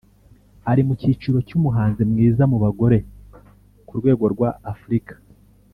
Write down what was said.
ari mu cyiciro cy’umuhanzi mwiza mu bagore ku rwego rwa Afurika